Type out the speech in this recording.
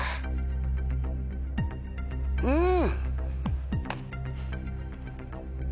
うん！